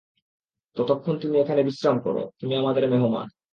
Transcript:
ততক্ষন তুমি এখানে বিশ্রাম করো, তুমি আমাদের মেহমান।